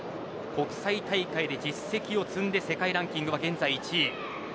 国際大会で実績を積んで世界ランキングは１位です。